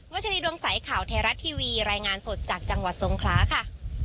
ชรีดวงใสข่าวไทยรัฐทีวีรายงานสดจากจังหวัดทรงคลาค่ะ